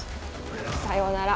さよなら。